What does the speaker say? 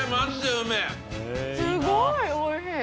すごいおいしい。